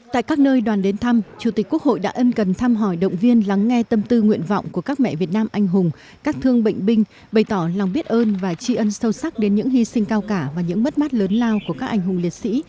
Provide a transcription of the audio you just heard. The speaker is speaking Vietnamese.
tại các nơi đoàn đến thăm chủ tịch quốc hội đã ân cần thăm hỏi động viên lắng nghe tâm tư nguyện vọng của các mẹ việt nam anh hùng các thương bệnh binh bày tỏ lòng biết ơn và tri ân sâu sắc đến những hy sinh cao cả và những mất mát lớn lao của các anh hùng liệt sĩ